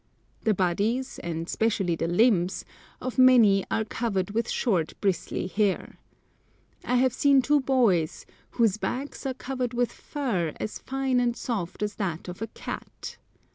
The bodies, and specially the limbs, of many are covered with short bristly hair. I have seen two boys whose backs are covered with fur as fine and soft as that of a cat.